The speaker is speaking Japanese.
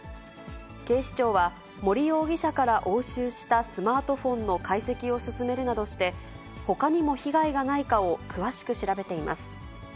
警視庁は、森容疑者から押収したスマートフォンの解析を進めるなどして、ほかにも被害がないかを詳しく調べています。